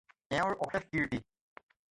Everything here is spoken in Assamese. এওঁৰ অশেষ কীৰ্ত্তি।